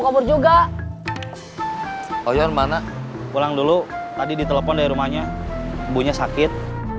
kabur juga oh ya mana pulang dulu tadi di telepon dari rumahnya punya sakit